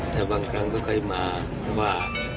แต่บางครั้งก็ค่อยมาว่า